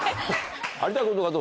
有田君とかどう？